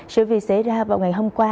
sự việc xảy ra vào ngày hôm qua